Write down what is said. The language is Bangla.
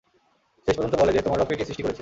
শেষ পর্যন্ত বলে যে, তোমার রবকে কে সৃষ্টি করেছে?